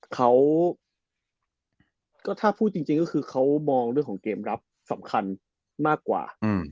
เขาก็ถ้าพูดจริงก็คือเขามองเรื่องของเกมรับสำคัญมากกว่า